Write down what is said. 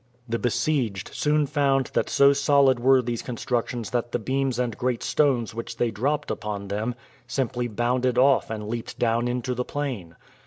The besieged soon found that so solid were these constructions that the beams and great stones which they dropped upon them simply bounded off and leaped down into the plain.